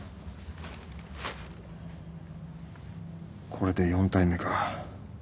これで４体目か。